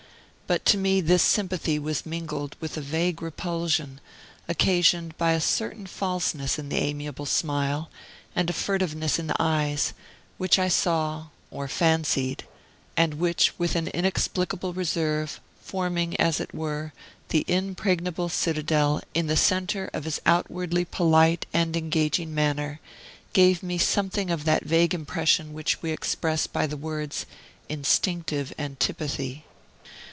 But to me this sympathy was mingled with a vague repulsion, occasioned by a certain falseness in the amiable smile, and a furtiveness in the eyes, which I saw or fancied and which, with an inexplicable reserve, forming as it were the impregnable citadel in the center of his outwardly polite and engaging manner, gave me something of that vague impression which we express by the words "instinctive antipathy."